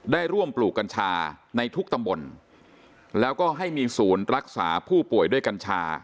ได้ร่วมปลูกกัญชาในทุกตำบลแล้วก็ให้มีศูนย์รักษาผู้ป่วยด้วยกัญชา